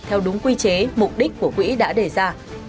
theo đúng quy chế mục đích của quỹ đã đề ra